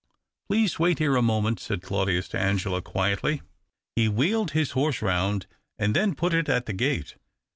" Please wait here a moment," said Claudius to Angela, quietly. He wheeled his horse round and then put it at the gate.